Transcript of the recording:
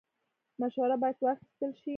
مشوره باید واخیستل شي